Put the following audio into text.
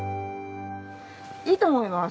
いいと思います。